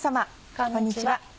こんにちは。